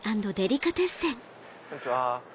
こんにちは。